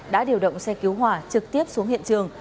đã điều động xe cứu hỏa trực tiếp xuống hiện trường